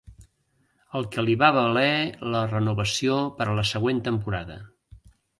El que li va valer la renovació per a la següent temporada.